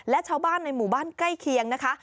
และชาวบ้านในหมู่บ้านใกล้เคียงนะคะ